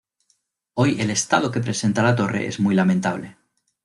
Hoy el estado que presenta la torre es muy lamentable.